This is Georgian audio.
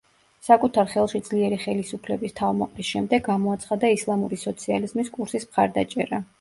საკუთარ ხელში ძლიერი ხელისუფლების თავმოყრის შემდეგ გამოაცხადა ისლამური სოციალიზმის კურსის მხარდაჭერა.